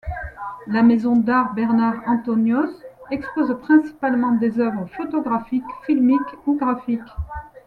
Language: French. La Maison d’art Bernard-Anthonioz expose principalement des œuvres photographiques, filmiques ou graphiques.